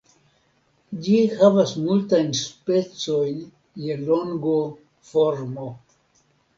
Ĝi havas multajn specojn je longo, formo.